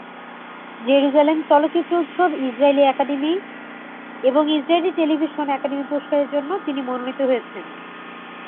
Jerusalem চলচ্চিত্র উৎসব, Israeli academy academy এবং ইসরায়েলী টেলিভিশন একাডেমি পুরস্কারের জন্য তিনি মনোনীত হয়েছেন।